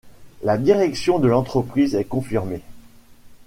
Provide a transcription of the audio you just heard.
La direction de l'entreprise est confirmée.